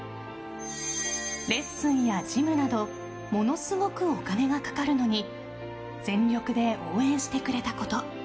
レッスンやジムなどものすごくお金がかかるのに全力で応援してくれたこと。